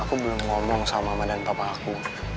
aku belum ngomong sama mama dan papa aku